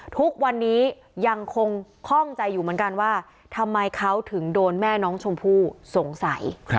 ทุกวันนี้ยังคงคล่องใจอยู่เหมือนกันว่าทำไมเขาถึงโดนแม่น้องชมพู่สงสัย